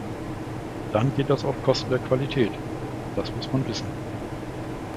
Dann geht das auf Kosten der Qualität, das muss man wissen.